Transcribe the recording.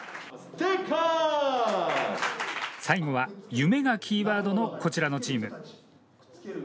最後は夢がキーワードのこちらのチーム。